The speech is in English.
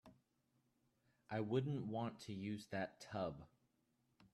I wouldn't want to use that tub.